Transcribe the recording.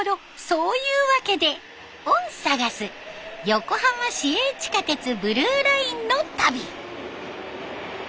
そういうワケで」を探す横浜市営地下鉄ブルーラインの旅。